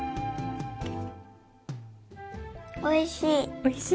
おいしい。